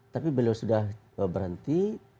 tapi beliau sudah berhenti